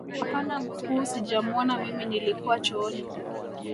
Hapana mkuu sijamuona mimi nilikuwa chooni